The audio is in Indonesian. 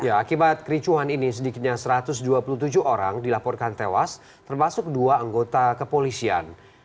ya akibat kericuhan ini sedikitnya satu ratus dua puluh tujuh orang dilaporkan tewas termasuk dua anggota kepolisian